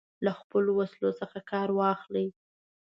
له خپلو وسلو څخه کار واخلي.